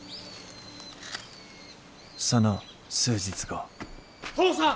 その数日後・父さん！